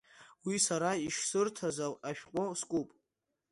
Уи сара ишсырҭаз ашәҟәы скуп.